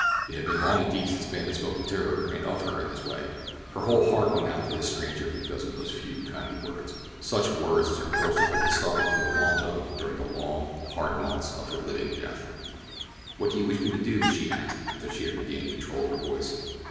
It had been long indeed since a man had spoken to her and of her in this way. Her whole heart went out to this stranger because of those few kindly words—such words as her poor soul had been starving for the want of during the long, hard months of her living death. "What do you wish me to do?" she asked after she had regained control of her voice.